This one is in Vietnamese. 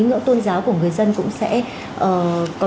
ngưỡng tôn giáo của người dân cũng sẽ có